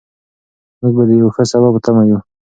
موږ د یو ښه سبا په تمه یو.